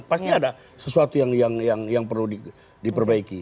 pasti ada sesuatu yang perlu diperbaiki